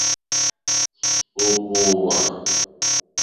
Ò kòòwà.